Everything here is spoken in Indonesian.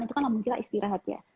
itu kan lambung kita istirahat ya